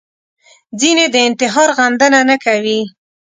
ځینې د انتحار غندنه نه کوي